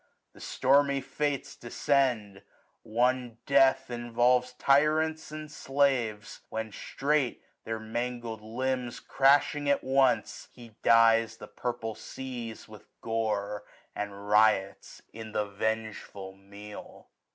The stormy Fates descend : one death involves Tyrants and slaves ; when strait, their hiangled limbs Crashing at once, he dyes the purple seas With gore, and riots in the vengeful meal.